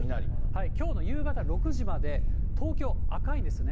きょうの夕方６時まで、東京赤いんですよね。